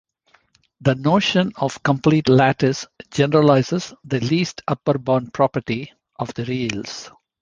The notion of "complete lattice" generalizes the least-upper-bound property of the reals.